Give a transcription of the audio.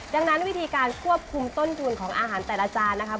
ดังนั้นวิธีการควบคุมต้นทุนของอาหารแต่ละจานนะครับ